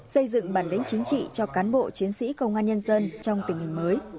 xây dựng bản lĩnh chính trị cho cán bộ chiến sĩ công an nhân dân trong tình hình mới